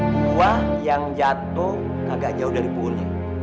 buah yang jatuh agak jauh dari pohonnya